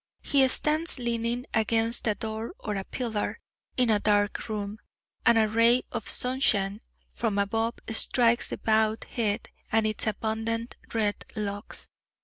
He stands leaning against a door or a pillar, in a dark room, and a ray of sunshine from above strikes the bowed head and its abundant red locks.